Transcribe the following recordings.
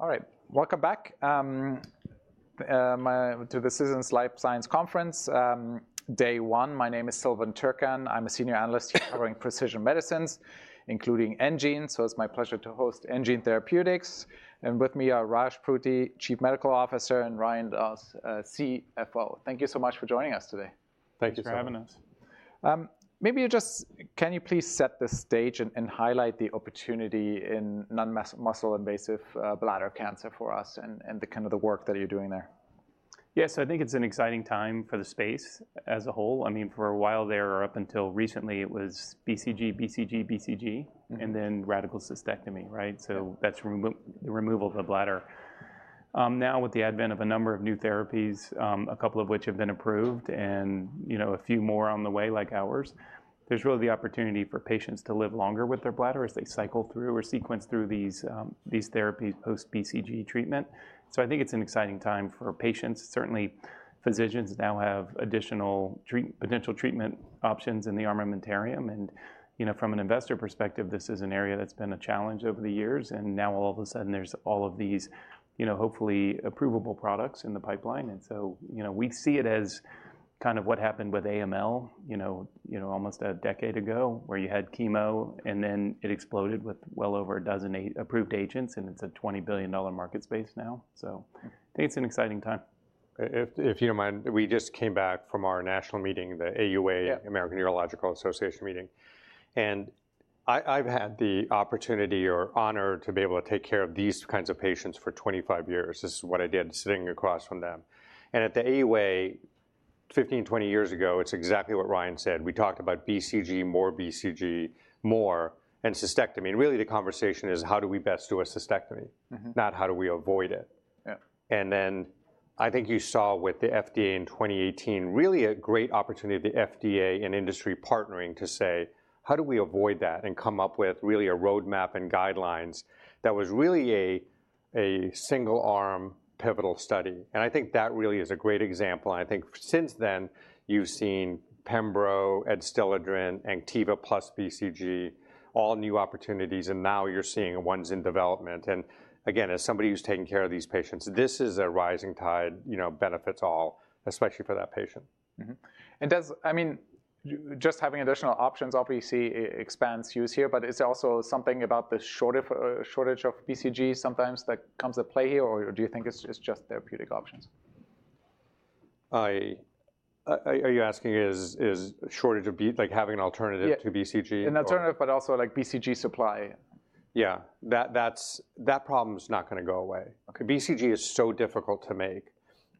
All right, welcome back to the Citizens Life Science Conference, day one. My name is Sylvan Turkan. I'm a senior analyst covering precision medicines, including enGene. It is my pleasure to host enGene Therapeutics. With me are Raj Pruthi, Chief Medical Officer, and Ryan Daws, CFO. Thank you so much for joining us today. Thank you for having us. Maybe you just, can you please set the stage and highlight the opportunity in non-muscle invasive bladder cancer for us and the kind of work that you're doing there? Yes, I think it's an exciting time for the space as a whole. I mean, for a while there, or up until recently, it was BCG, BCG, BCG, and then radical cystectomy, right? That's the removal of the bladder. Now, with the advent of a number of new therapies, a couple of which have been approved and a few more on the way, like ours, there's really the opportunity for patients to live longer with their bladder as they cycle through or sequence through these therapies post-BCG treatment. I think it's an exciting time for patients. Certainly, physicians now have additional potential treatment options in the armamentarium. From an investor perspective, this is an area that's been a challenge over the years. Now, all of a sudden, there's all of these hopefully approvable products in the pipeline. We see it as kind of what happened with AML almost a decade ago, where you had chemo and then it exploded with well over a dozen approved agents. It is a $20 billion market space now. I think it is an exciting time. If you don't mind, we just came back from our national meeting, the AUA, American Urological Association meeting. And I've had the opportunity or honor to be able to take care of these kinds of patients for 25 years. This is what I did sitting across from them. At the AUA, 15-20 years ago, it's exactly what Ryan said. We talked about BCG, more BCG, more, and cystectomy. Really, the conversation is, how do we best do a cystectomy, not how do we avoid it? I think you saw with the FDA in 2018, really a great opportunity of the FDA and industry partnering to say, how do we avoid that and come up with really a roadmap and guidelines that was really a single-arm pivotal study. I think that really is a great example. I think since then, you've seen Keytruda, Adstiladrin, and Anktiva plus BCG, all new opportunities. Now you're seeing ones in development. Again, as somebody who's taking care of these patients, this is a rising tide benefits all, especially for that patient. Does, I mean, just having additional options obviously expands use here, but it's also something about the shortage of BCG sometimes that comes into play here, or do you think it's just therapeutic options? Are you asking is shortage of having an alternative to BCG? An alternative, but also like BCG supply. Yeah, that problem's not going to go away. BCG is so difficult to make.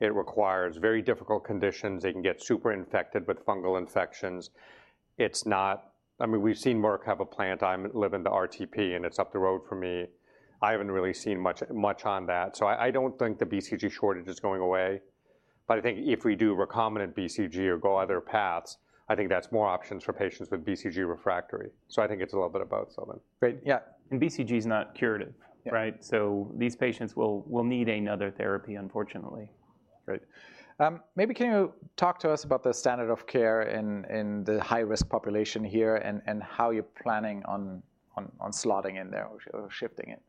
It requires very difficult conditions. They can get super infected with fungal infections. I mean, we've seen more kind of a plant. I live in the Research Triangle Park, and it's up the road from me. I haven't really seen much on that. I don't think the BCG shortage is going away. I think if we do recombinant BCG or go other paths, I think that's more options for patients with BCG refractory. I think it's a little bit of both, Sylvain. Great. Yeah. And BCG is not curative, right? So these patients will need another therapy, unfortunately. Great. Maybe can you talk to us about the standard of care in the high-risk population here and how you're planning on slotting in there or shifting it?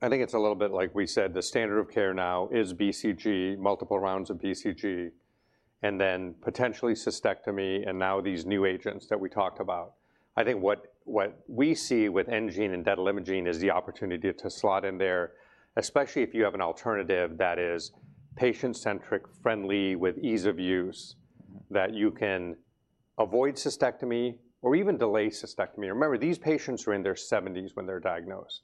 I think it's a little bit like we said, the standard of care now is BCG, multiple rounds of BCG, and then potentially cystectomy. Now these new agents that we talked about. I think what we see with enGene and Detalimogene is the opportunity to slot in there, especially if you have an alternative that is patient-centric, friendly, with ease of use, that you can avoid cystectomy or even delay cystectomy. Remember, these patients are in their seventies when they're diagnosed.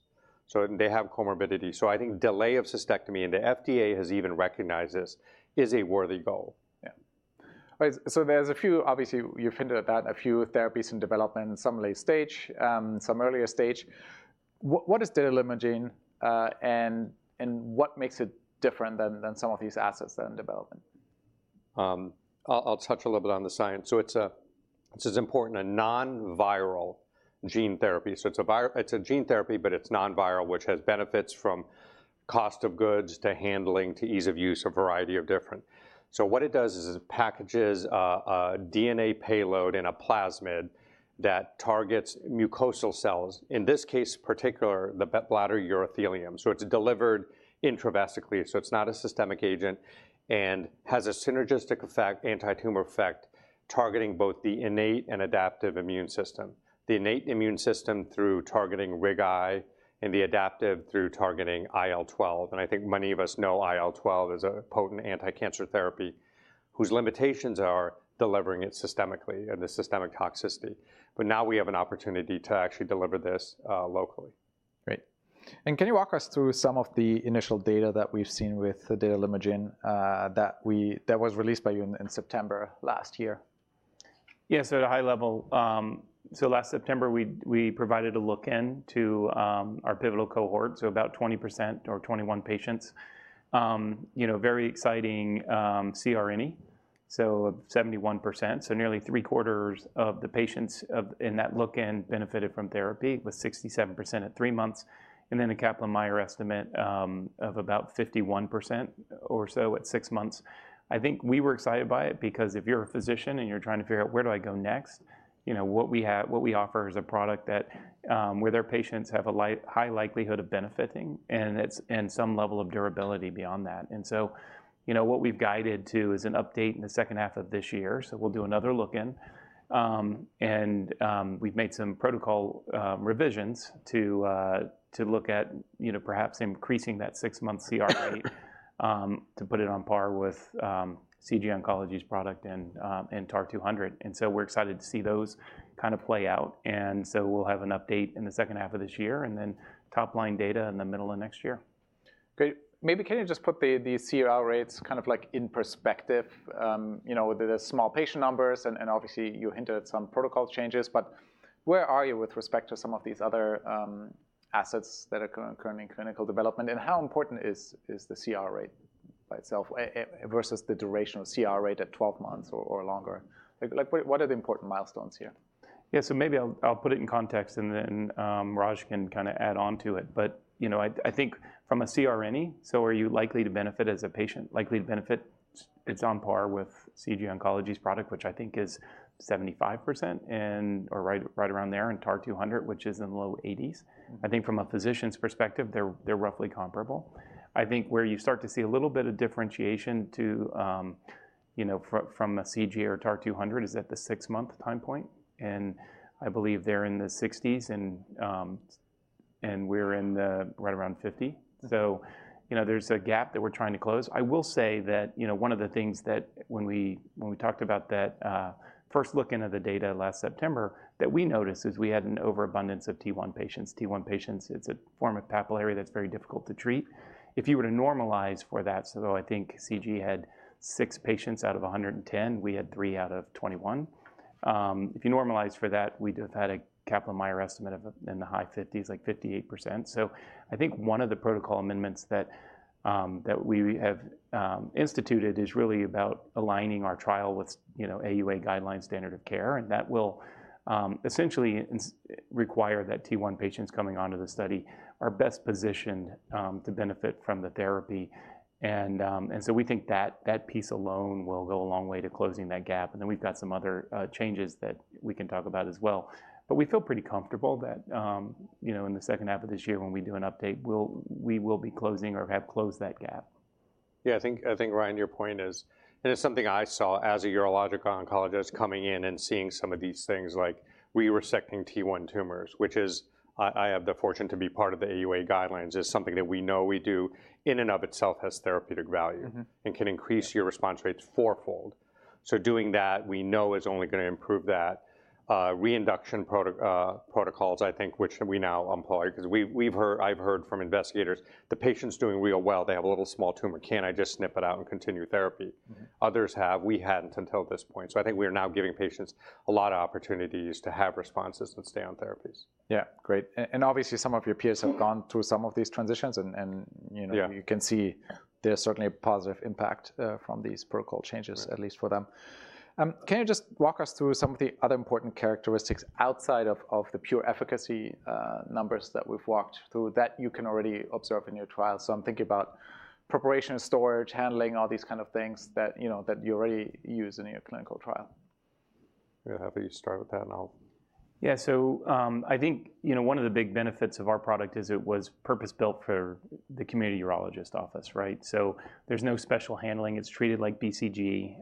They have comorbidity. I think delay of cystectomy, and the FDA has even recognized this, is a worthy goal. Yeah. So there's a few, obviously, you hinted at that, a few therapies in development, some late stage, some earlier stage. What is Detalimogene and what makes it different than some of these assets that are in development? I'll touch a little bit on the science. It's important, a non-viral gene therapy. It's a gene therapy, but it's non-viral, which has benefits from cost of goods to handling to ease of use, a variety of different. What it does is it packages a DNA payload in a plasmid that targets mucosal cells, in this case, particular, the bladder urothelium. It's delivered intravesically. It's not a systemic agent and has a synergistic effect, anti-tumor effect, targeting both the innate and adaptive immune system, the innate immune system through targeting RIG-I and the adaptive through targeting IL-12. I think many of us know IL-12 is a potent anti-cancer therapy whose limitations are delivering it systemically and the systemic toxicity. Now we have an opportunity to actually deliver this locally. Great. Can you walk us through some of the initial data that we've seen with the Detalimogene that was released by you in September last year? Yes, at a high level. Last September, we provided a look into our pivotal cohort, so about 20% or 21 patients, very exciting CRNE, so 71%. Nearly three quarters of the patients in that look-in benefited from therapy with 67% at three months. A Kaplan-Meier estimate of about 51% or so at six months. I think we were excited by it because if you're a physician and you're trying to figure out where do I go next, what we offer is a product where their patients have a high likelihood of benefiting and some level of durability beyond that. What we've guided to is an update in the second half of this year. We'll do another look-in. We've made some protocol revisions to look at perhaps increasing that six-month CR rate to put it on par with CG Oncology's product and TAR-200. We're excited to see those kind of play out. We'll have an update in the second half of this year and then top-line data in the middle of next year. Great. Maybe can you just put the CR rates kind of like in perspective with the small patient numbers? Obviously, you hinted at some protocol changes. Where are you with respect to some of these other assets that are currently in clinical development? How important is the CR rate by itself versus the duration of CR rate at 12 months or longer? What are the important milestones here? Yeah, so maybe I'll put it in context and then Raj can kind of add on to it. I think from a CRNE, so are you likely to benefit as a patient, likely to benefit? It's on par with CG Oncology's product, which I think is 75% or right around there, and TAR-200, which is in the low 80%. I think from a physician's perspective, they're roughly comparable. I think where you start to see a little bit of differentiation from a CG or TAR-200 is at the six-month time point. I believe they're in the 60% and we're in right around 50%. There's a gap that we're trying to close. I will say that one of the things that when we talked about that first look-in of the data last September that we noticed is we had an overabundance of T1 patients. T1 patients, it's a form of papillary that's very difficult to treat. If you were to normalize for that, I think CG had six patients out of 110, we had three out of 21. If you normalize for that, we'd have had a Kaplan-Meier estimate in the high 50s, like 58%. I think one of the protocol amendments that we have instituted is really about aligning our trial with AUA guideline standard of care. That will essentially require that T1 patients coming onto the study are best positioned to benefit from the therapy. We think that piece alone will go a long way to closing that gap. We've got some other changes that we can talk about as well. We feel pretty comfortable that in the second half of this year when we do an update, we will be closing or have closed that gap. Yeah, I think Ryan, your point is, and it's something I saw as a urological oncologist coming in and seeing some of these things like resecting T1 tumors, which is I have the fortune to be part of the AUA guidelines, is something that we know we do in and of itself has therapeutic value and can increase your response rates fourfold. Doing that, we know is only going to improve that. Reinduction protocols, I think, which we now employ, because I've heard from investigators, the patient's doing real well. They have a little small tumor. Can I just snip it out and continue therapy? Others have. We hadn't until this point. I think we are now giving patients a lot of opportunities to have responses and stay on therapies. Yeah. Great. Obviously, some of your peers have gone through some of these transitions. You can see there's certainly a positive impact from these protocol changes, at least for them. Can you just walk us through some of the other important characteristics outside of the pure efficacy numbers that we've walked through that you can already observe in your trial? I'm thinking about preparation, storage, handling, all these kind of things that you already use in your clinical trial. I'm going to have you start with that and I'll. Yeah. I think one of the big benefits of our product is it was purpose-built for the community urologist office, right? There's no special handling. It's treated like BCG.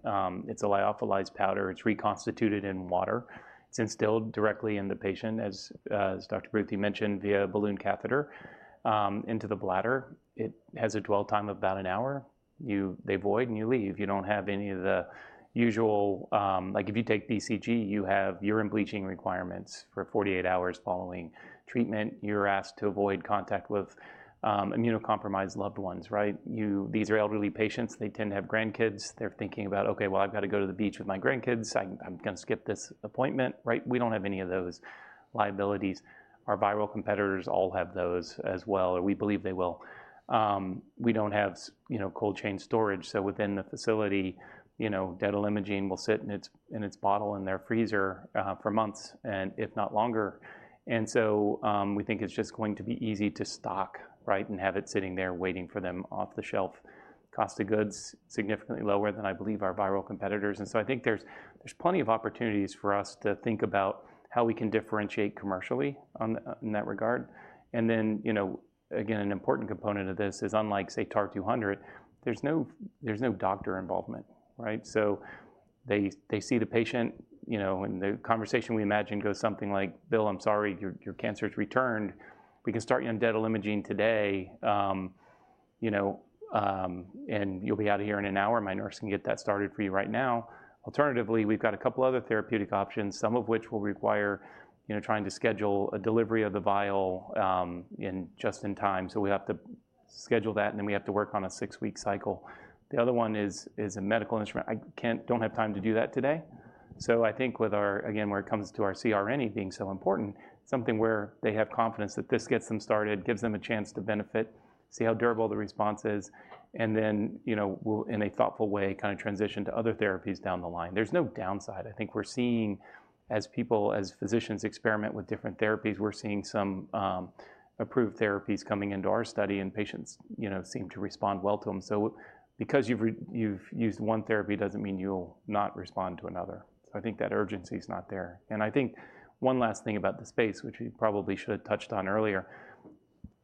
It's a lyophilized powder. It's reconstituted in water. It's instilled directly in the patient, as Dr. Pruthi mentioned, via balloon catheter into the bladder. It has a dwell time of about an hour. They void and you leave. You don't have any of the usual like if you take BCG, you have urine bleaching requirements for 48 hours following treatment. You're asked to avoid contact with immunocompromised loved ones, right? These are elderly patients. They tend to have grandkids. They're thinking about, "Okay, well, I've got to go to the beach with my grandkids. I'm going to skip this appointment," right? We don't have any of those liabilities. Our viral competitors all have those as well, or we believe they will. We do not have cold chain storage. So within the facility, Detalimogene will sit in its bottle in their freezer for months, if not longer. We think it is just going to be easy to stock and have it sitting there waiting for them off the shelf. Cost of goods significantly lower than I believe our viral competitors. I think there are plenty of opportunities for us to think about how we can differentiate commercially in that regard. An important component of this is unlike, say, TAR-200, there is no doctor involvement, right? They see the patient. The conversation we imagine goes something like, "Bill, I am sorry, your cancer has returned. We can start you on Detalimogene today. You will be out of here in an hour. My nurse can get that started for you right now. Alternatively, we've got a couple of other therapeutic options, some of which will require trying to schedule a delivery of the vial just in time. We have to schedule that, and then we have to work on a six-week cycle. The other one is a medical instrument. I don't have time to do that today. I think with our, again, where it comes to our CRNE being so important, something where they have confidence that this gets them started, gives them a chance to benefit, see how durable the response is, and then in a thoughtful way kind of transition to other therapies down the line. There's no downside. I think we're seeing as people, as physicians experiment with different therapies, we're seeing some approved therapies coming into our study, and patients seem to respond well to them. Because you've used one therapy doesn't mean you'll not respond to another. I think that urgency is not there. I think one last thing about the space, which we probably should have touched on earlier,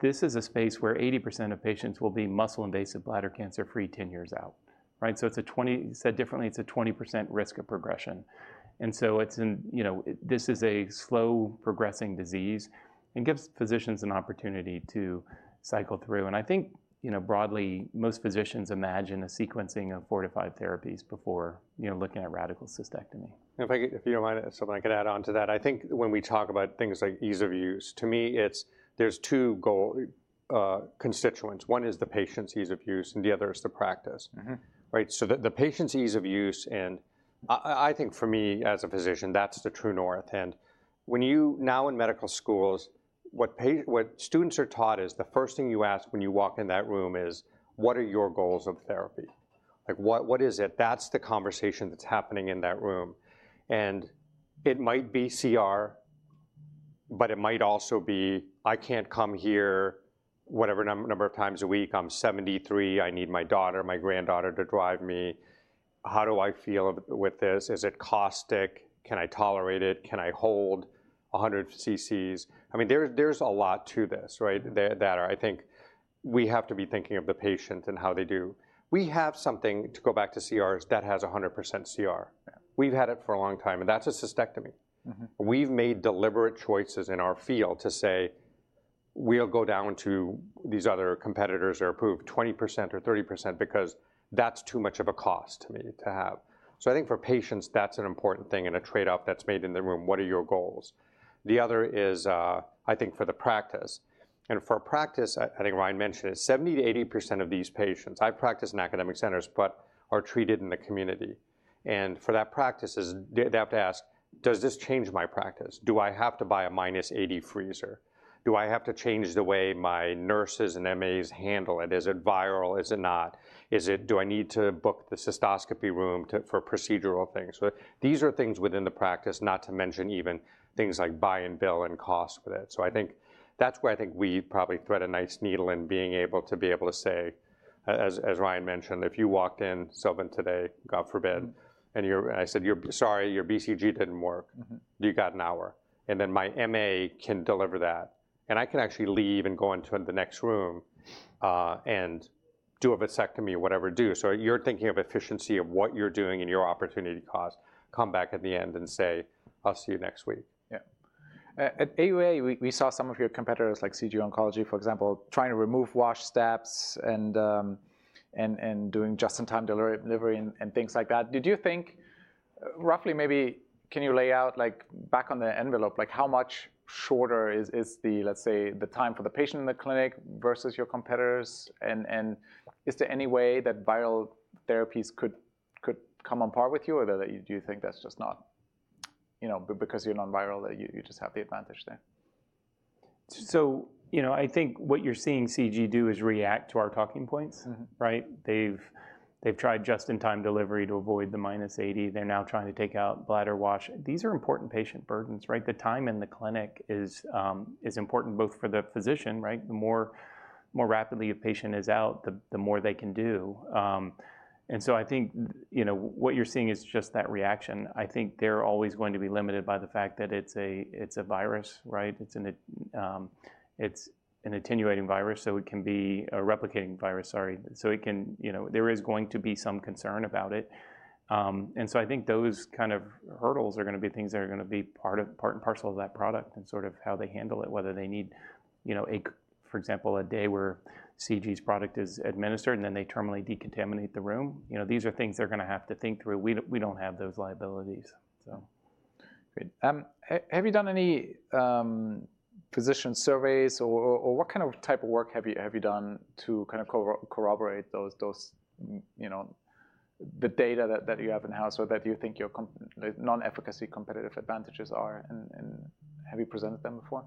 this is a space where 80% of patients will be muscle invasive bladder cancer free 10 years out, right? It's a 20%, said differently, it's a 20% risk of progression. This is a slow progressing disease and gives physicians an opportunity to cycle through. I think broadly, most physicians imagine a sequencing of four to five therapies before looking at radical cystectomy. If you don't mind, Sylvan, I could add on to that. I think when we talk about things like ease of use, to me, there's two constituents. One is the patient's ease of use, and the other is the practice, right? The patient's ease of use, and I think for me as a physician, that's the true north. When you now in medical schools, what students are taught is the first thing you ask when you walk in that room is, "What are your goals of therapy? What is it?" That's the conversation that's happening in that room. It might be CR, but it might also be, "I can't come here whatever number of times a week. I'm 73. I need my daughter, my granddaughter to drive me. How do I feel with this? Is it caustic? Can I tolerate it? Can I hold 100 ccs? I mean, there's a lot to this, right, that I think we have to be thinking of the patient and how they do. We have something to go back to CRs that has 100% CR. We've had it for a long time, and that's a cystectomy. We've made deliberate choices in our field to say, "We'll go down to these other competitors that are approved 20% or 30% because that's too much of a cost to me to have." I think for patients, that's an important thing and a trade-off that's made in the room. What are your goals? The other is, I think for the practice. For practice, I think Ryan mentioned it, 70-80% of these patients, I practice in academic centers, but are treated in the community. For that practice, they have to ask, "Does this change my practice? Do I have to buy a minus 80 freezer? Do I have to change the way my nurses and MAs handle it? Is it viral? Is it not? Do I need to book the cystoscopy room for procedural things?" These are things within the practice, not to mention even things like buy and bill and cost with it. I think that's where I think we probably thread a nice needle in being able to be able to say, as Ryan mentioned, if you walked in, Sylvan today, God forbid, and I said, "Sorry, your BCG didn't work. You got an hour." My MA can deliver that. I can actually leave and go into the next room and do a vasectomy or whatever do. You're thinking of efficiency of what you're doing and your opportunity cost, come back at the end and say, "I'll see you next week." Yeah. At AUA, we saw some of your competitors like CG Oncology, for example, trying to remove wash steps and doing just-in-time delivery and things like that. Did you think roughly maybe can you lay out back on the envelope, how much shorter is the, let's say, the time for the patient in the clinic versus your competitors? Is there any way that viral therapies could come on par with you or do you think that's just not because you're non-viral that you just have the advantage there? I think what you're seeing CG do is react to our talking points, right? They've tried just-in-time delivery to avoid the minus 80. They're now trying to take out bladder wash. These are important patient burdens, right? The time in the clinic is important both for the physician, right? The more rapidly a patient is out, the more they can do. I think what you're seeing is just that reaction. I think they're always going to be limited by the fact that it's a virus, right? It's an attenuating virus, so it can be a replicating virus, sorry. There is going to be some concern about it. I think those kind of hurdles are going to be things that are going to be part and parcel of that product and sort of how they handle it, whether they need, for example, a day where CG's product is administered and then they terminally decontaminate the room. These are things they're going to have to think through. We don't have those liabilities, so. Great. Have you done any physician surveys or what kind of type of work have you done to kind of corroborate the data that you have in-house or that you think your non-efficacy competitive advantages are? Have you presented them before?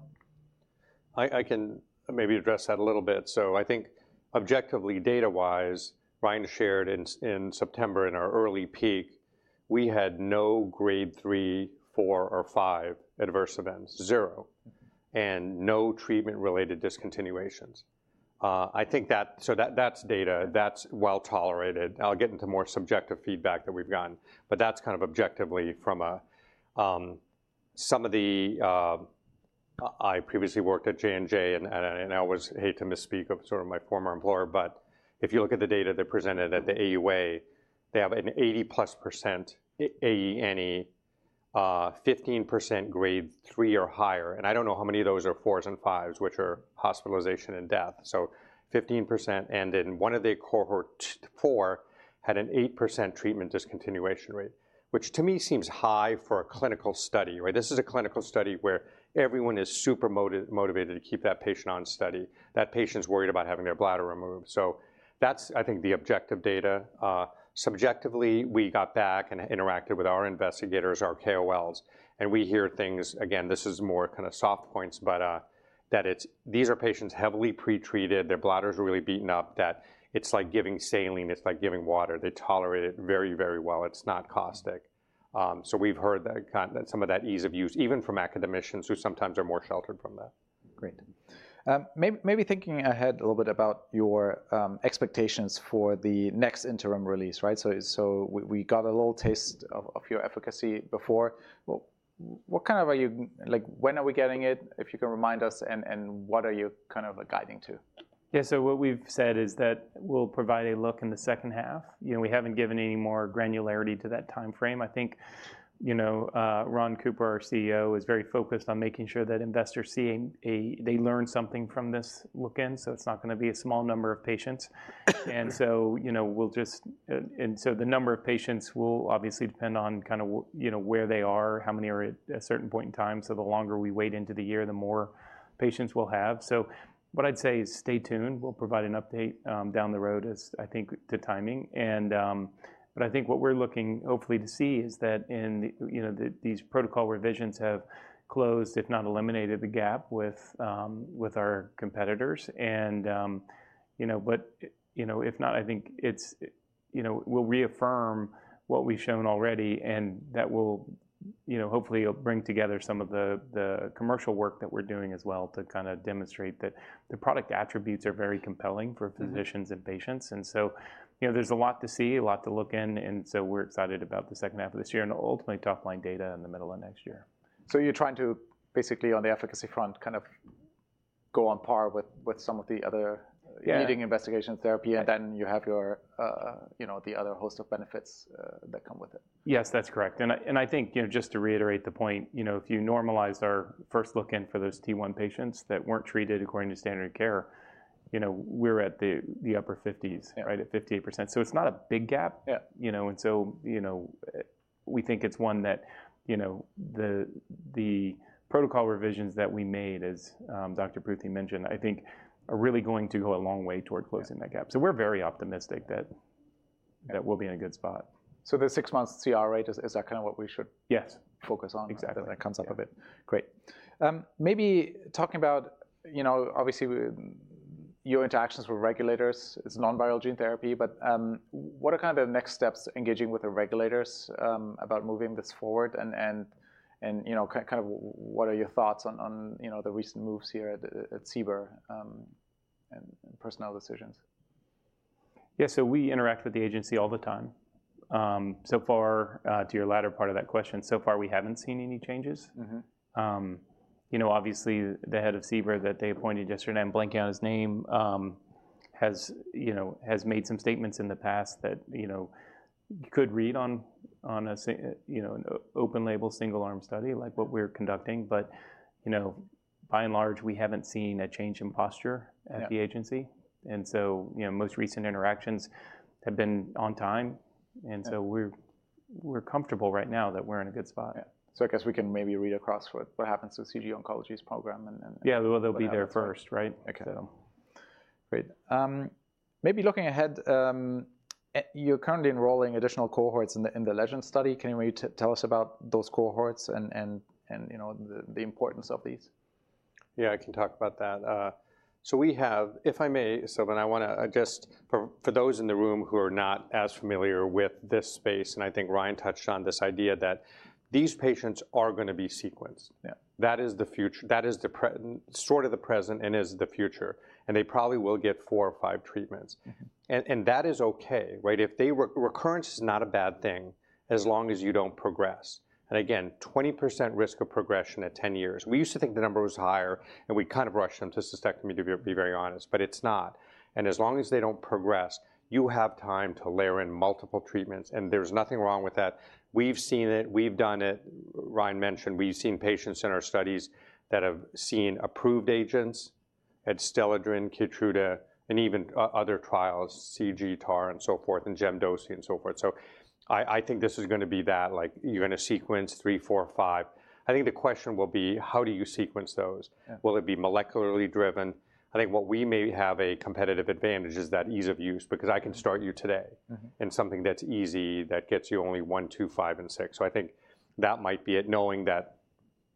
I can maybe address that a little bit. I think objectively, data-wise, Ryan shared in September in our early peak, we had no grade three, four, or five adverse events, zero, and no treatment-related discontinuations. That is data. That is well tolerated. I'll get into more subjective feedback that we've gotten, but that is kind of objectively from some of the—I previously worked at J&J, and I always hate to misspeak of sort of my former employer, but if you look at the data they presented at the AUA, they have an 80-plus % AENE, 15% grade three or higher. I do not know how many of those are fours and fives, which are hospitalization and death. So 15%. One of the cohort four had an 8% treatment discontinuation rate, which to me seems high for a clinical study, right? This is a clinical study where everyone is super motivated to keep that patient on study. That patient's worried about having their bladder removed. That's, I think, the objective data. Subjectively, we got back and interacted with our investigators, our KOLs, and we hear things. Again, this is more kind of soft points, but that these are patients heavily pretreated. Their bladders are really beaten up that it's like giving saline. It's like giving water. They tolerate it very, very well. It's not caustic. We've heard some of that ease of use even from academicians who sometimes are more sheltered from that. Great. Maybe thinking ahead a little bit about your expectations for the next interim release, right? So we got a little taste of your efficacy before. What kind of are you like, when are we getting it, if you can remind us, and what are you kind of guiding to? Yeah. So what we've said is that we'll provide a look in the second half. We haven't given any more granularity to that timeframe. I think Ron Cooper, our CEO, is very focused on making sure that investors see they learn something from this look-in. It's not going to be a small number of patients. The number of patients will obviously depend on kind of where they are, how many are at a certain point in time. The longer we wait into the year, the more patients we'll have. What I'd say is stay tuned. We'll provide an update down the road as I think to timing. I think what we're looking hopefully to see is that these protocol revisions have closed, if not eliminated, the gap with our competitors. If not, I think we'll reaffirm what we've shown already, and that will hopefully bring together some of the commercial work that we're doing as well to kind of demonstrate that the product attributes are very compelling for physicians and patients. There's a lot to see, a lot to look in. We're excited about the second half of this year and ultimately top-line data in the middle of next year. You're trying to basically on the efficacy front kind of go on par with some of the other leading investigations therapy, and then you have the other host of benefits that come with it. Yes, that's correct. I think just to reiterate the point, if you normalize our first look-in for those T1 patients that were not treated according to standard of care, we are at the upper 50s, right, at 58%. It is not a big gap. We think it is one that the protocol revisions that we made, as Dr. Pruthi mentioned, I think are really going to go a long way toward closing that gap. We are very optimistic that we will be in a good spot. The six-month CR rate, is that kind of what we should focus on? Yes, exactly. That comes up a bit. Great. Maybe talking about obviously your interactions with regulators, it's non-viral gene therapy, but what are kind of the next steps engaging with the regulators about moving this forward? What are your thoughts on the recent moves here at CBER and personnel decisions? Yeah. We interact with the agency all the time. So far, to your latter part of that question, so far we haven't seen any changes. Obviously, the head of CBER that they appointed yesterday, I'm blanking on his name, has made some statements in the past that you could read on an open-label single-arm study like what we're conducting. By and large, we haven't seen a change in posture at the agency. Most recent interactions have been on time. We're comfortable right now that we're in a good spot. Yeah. So I guess we can maybe read across what happens to CG Oncology's program. Yeah, they'll be there first, right? Okay. Great. Maybe looking ahead, you're currently enrolling additional cohorts in the Legend study. Can you maybe tell us about those cohorts and the importance of these? Yeah, I can talk about that. We have, if I may, Sylvan, I want to just for those in the room who are not as familiar with this space, and I think Ryan touched on this idea that these patients are going to be sequenced. That is the future. That is sort of the present and is the future. They probably will get four or five treatments. That is okay, right? Recurrence is not a bad thing as long as you do not progress. Again, 20% risk of progression at 10 years. We used to think the number was higher, and we kind of rushed them to cystectomy to be very honest, but it is not. As long as they do not progress, you have time to layer in multiple treatments, and there is nothing wrong with that. We have seen it. We have done it. Ryan mentioned we've seen patients in our studies that have seen approved agents Adstiladrin, Keytruda, and even other trials, CG, TAR-200, and so forth, and gemcitabine and so forth. I think this is going to be that. You're going to sequence three, four, five. I think the question will be, how do you sequence those? Will it be molecularly driven? I think what we may have a competitive advantage is that ease of use because I can start you today in something that's easy that gets you only one, two, five, and six. I think that might be it knowing that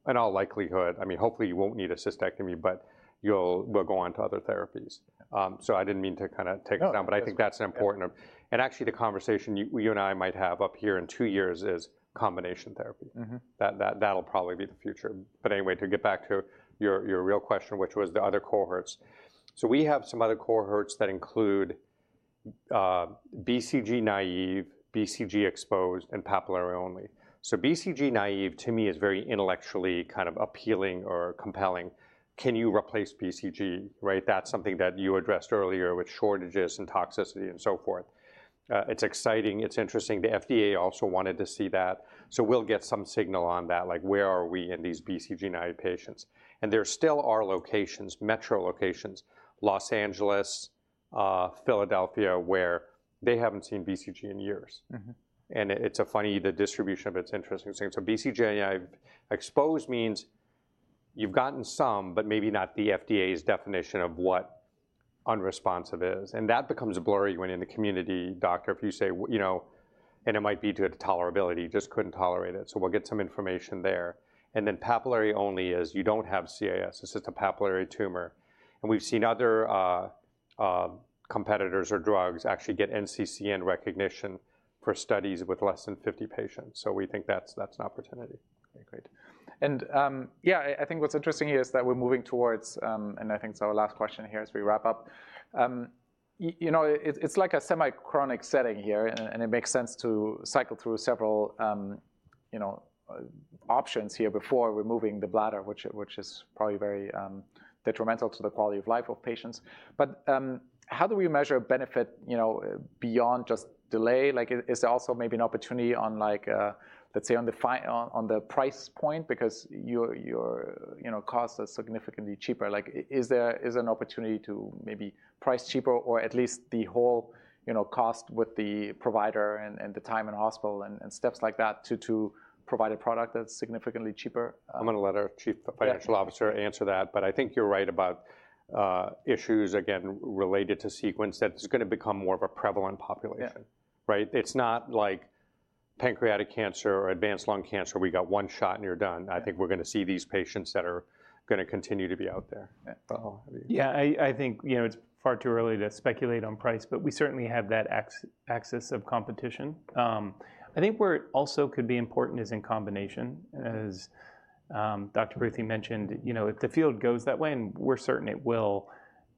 in all likelihood, I mean, hopefully you won't need a cystectomy, but you'll go on to other therapies. I did not mean to kind of take us down, but I think that is an important and actually the conversation you and I might have up here in two years is combination therapy. That will probably be the future. Anyway, to get back to your real question, which was the other cohorts. We have some other cohorts that include BCG naive, BCG exposed, and papillary only. BCG naive to me is very intellectually kind of appealing or compelling. Can you replace BCG, right? That is something that you addressed earlier with shortages and toxicity and so forth. It is exciting. It is interesting. The FDA also wanted to see that. We will get some signal on that, like where are we in these BCG naive patients? There still are locations, metro locations, Los Angeles, Philadelphia, where they have not seen BCG in years. It's a funny, the distribution of it's interesting thing. BCG exposed means you've gotten some, but maybe not the FDA's definition of what unresponsive is. That becomes blurry when in the community doctor, if you say, and it might be due to tolerability, just couldn't tolerate it. We'll get some information there. Papillary only is you don't have CIS. It's just a papillary tumor. We've seen other competitors or drugs actually get NCCN recognition for studies with less than 50 patients. We think that's an opportunity. Okay, great. Yeah, I think what's interesting here is that we're moving towards, and I think it's our last question here as we wrap up. It's like a semi-chronic setting here, and it makes sense to cycle through several options here before removing the bladder, which is probably very detrimental to the quality of life of patients. How do we measure benefit beyond just delay? Is there also maybe an opportunity on, let's say, on the price point because your cost is significantly cheaper? Is there an opportunity to maybe price cheaper or at least the whole cost with the provider and the time in hospital and steps like that to provide a product that's significantly cheaper? I'm going to let our Chief Financial Officer answer that, but I think you're right about issues, again, related to sequence that's going to become more of a prevalent population, right? It's not like pancreatic cancer or advanced lung cancer. We got one shot and you're done. I think we're going to see these patients that are going to continue to be out there. Yeah, I think it's far too early to speculate on price, but we certainly have that axis of competition. I think where it also could be important is in combination. As Dr. Pruthi mentioned, if the field goes that way, and we're certain it will,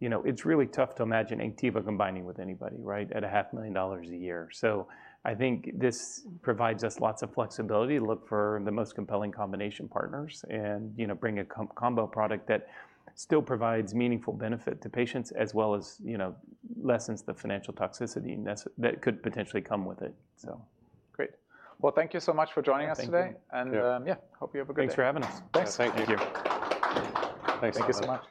it's really tough to imagine Anktiva combining with anybody, right, at $500,000 a year. I think this provides us lots of flexibility to look for the most compelling combination partners and bring a combo product that still provides meaningful benefit to patients as well as lessens the financial toxicity that could potentially come with it. Great. Thank you so much for joining us today. Thank you. Yeah, hope you have a good day. Thanks for having us. Thanks. Thank you. Thanks so much.